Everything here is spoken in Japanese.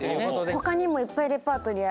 他にもいっぱいレパートリー。